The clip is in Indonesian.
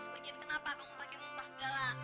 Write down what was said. pagiin kenapa kamu pake muntah segala